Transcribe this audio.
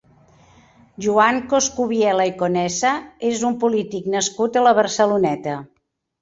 Joan Coscubiela i Conesa és un polític nascut a la Barceloneta.